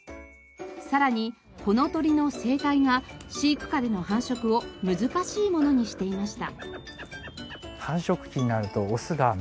さらにこの鳥の生態が飼育下での繁殖を難しいものにしていました。